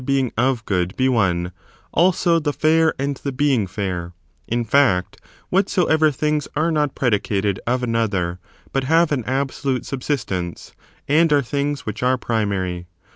f^Q being of good ^ be one, also the fiur and the being fidr; in &ct, whatsoever things are not predicated of another, but haye an absolute subsistence, and are things which are primary.